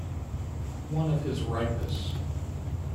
One of his ripest.